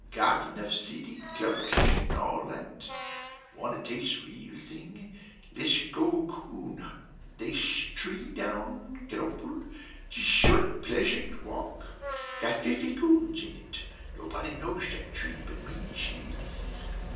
Got enough city, clubsh, an' all that? Want to taste real thing? Lesh go coon huntin'. Theysh tree down Canoper, jish short pleashant walk, got fify coons in it! Nobody knowsh the tree but me, shee?